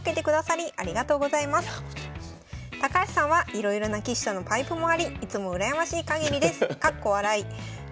「高橋さんはいろいろな棋士とのパイプもありいつも羨ましいかぎりです。